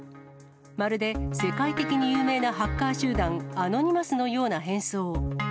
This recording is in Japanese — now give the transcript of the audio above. まるで世界的に有名なハッカー集団、アノニマスのような変装。